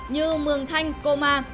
như mường thanh cô ma